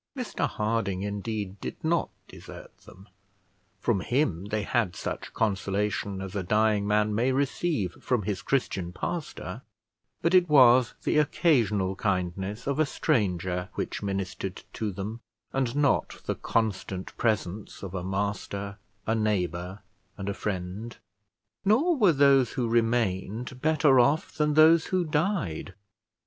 Mr Harding, indeed, did not desert them; from him they had such consolation as a dying man may receive from his Christian pastor; but it was the occasional kindness of a stranger which ministered to them, and not the constant presence of a master, a neighbour, and a friend. Nor were those who remained better off than those who died.